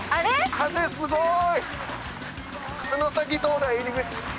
風すごい。